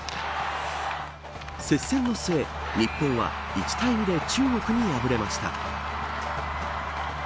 接戦の末日本は１対２で中国に敗れました。